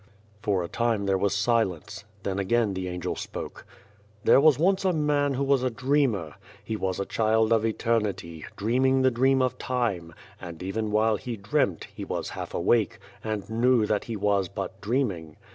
For a time there was silence. Then again the Angel spoke :" There was once a man who was a dreamer. He was a child of Eternity, dreaming the dream of Time, and even while he dreamt, he was half awake and knew that he was but dreaming.